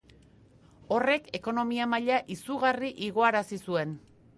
Horrek ekonomia maila izugarri igoarazi zuen.